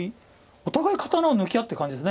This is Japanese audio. お互い刀を抜き合ってる感じです。